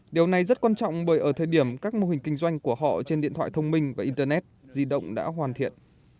điều này rất quan trọng bởi ở thời điểm các mô hình kinh doanh của họ trên điện thoại thông minh và internet di động đã hoàn thiện